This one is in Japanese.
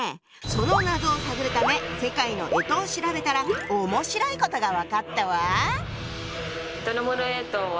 その謎を探るため世界の干支を調べたら面白いことが分かったわ！